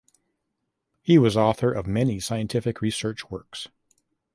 He was author of many scientific research works.